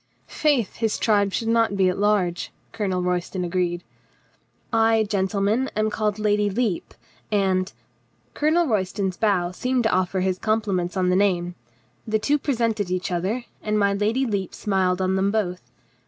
"Faith, his tribe should not be at large," Colonel Royston agreed. "I, gentlemen, am called my Lady Lepe, and —" Colonel Royston's bow seemed to offer his compli ments on the name. The two presented each other, and my Lady Lepe smiled on them both.